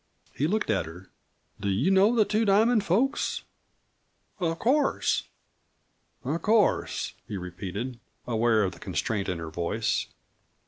He looked at her. "Do you know the Two Diamond folks?" "Of course." "Of course," he repeated, aware of the constraint in her voice.